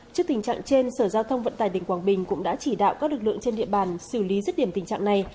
trước tình trạng trên sở giao thông vận tài đỉnh quảng bình cũng đã chỉ đạo các lực lượng trên địa bàn xử lý rất điểm tình trạng này